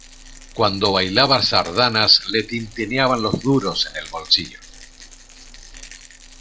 Cuando bailaba sardanas le tintineaban los duros en el bolsillo.